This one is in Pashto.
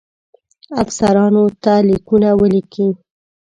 افسرانو ته لیکونه ولیکي.